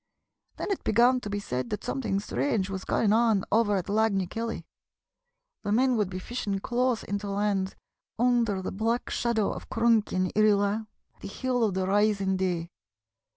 Then it began to be said that something strange was going on over at Lag ny Keilley. The men would be fishing close in to land under the black shadow of Cronk yn Irree Laa, the Hill of the Rising Day.